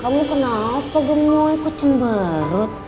kamu kenapa demoi kok cemberut